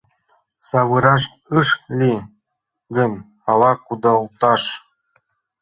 Савыраш ыш лий гын, ала кудалташ?